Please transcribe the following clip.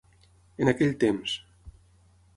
En aquell temps.